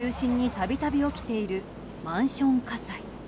都内を中心に度々起きているマンション火災。